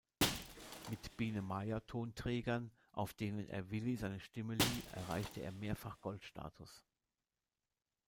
Mit "Biene-Maja"-Tonträgern, auf denen er Willi seine Stimme lieh, erreichte er mehrfach Goldstatus.